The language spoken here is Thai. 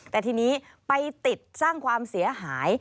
แต่ทีนี้ไปติดสร้างความเสียหาย